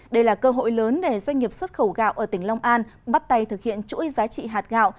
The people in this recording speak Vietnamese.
đây là cơ hội lớn để doanh nghiệp xuất khẩu gạo ở tỉnh long an bắt tay thực hiện chuỗi giá trị hạt gạo